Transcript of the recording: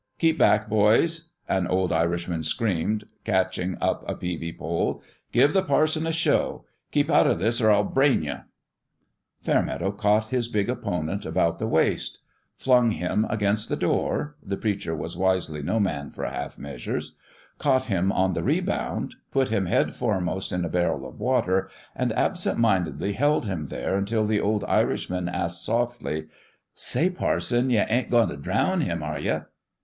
" Keep back, boys !" an old Irishman screamed, catching up a peavy pole. " Give the parson a show ! Keep out o' this or I'll brain ye !" Fairmeadow caught his big opponent about the waist flung him against the door (the preacher was wisely no man for half measures) caught him on the rebound put him head fore most in a barrel of water and absent mindedly held him there until the old Irishman asked, softly, " Say, parson, ye ain't goin' t' drown him, ISO FIST PLAY are ye